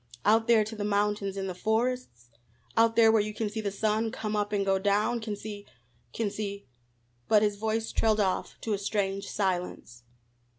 Out there to the mountains and the forests? Out there where you can see the sun come up and go down, can see can see " but his voice trailed off to a strange silence.